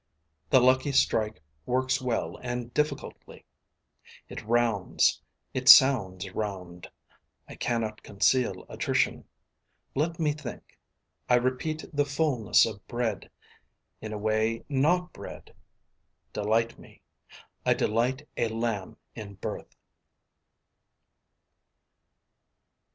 The lucky strike works well and difficultly. It rounds, it sounds round. I cannot conceal attrition. Let me think. I repeat the fullness of bread. In a way not bread. Delight me. I delight a lamb in birth.